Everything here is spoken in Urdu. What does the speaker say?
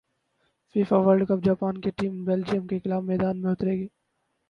فیفا ورلڈ کپ جاپان کی ٹیم بیلجیئم کیخلاف میدان میں اترے گی